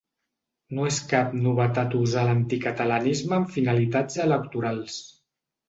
No és cap novetat usar l’anticatalanisme amb finalitats electorals.